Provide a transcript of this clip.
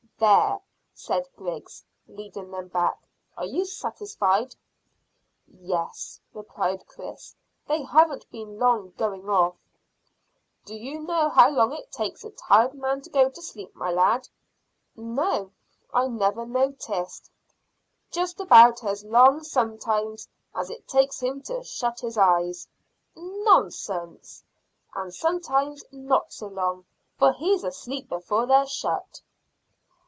"There," said Griggs, leading them back; "are you satisfied?" "Yes," replied Chris. "They haven't been long going off." "Do you know how long it takes a tired man to go to sleep, my lad?" "No. I never noticed." "Just about as long sometimes as it takes him to shut his eyes." "Nonsense!" "And sometimes not so long, for he's asleep before they're shut."